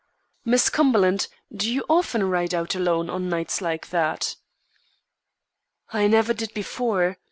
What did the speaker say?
"Miss Cumberland, do you often ride out alone on nights like that?" "I never did before.